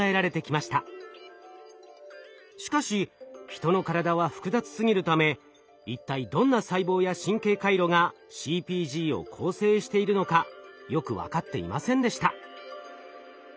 しかしヒトの体は複雑すぎるため一体どんな細胞や神経回路がＣＰＧを構成しているのかよく分かっていませんでした。